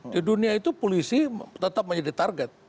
di dunia itu polisi tetap menjadi target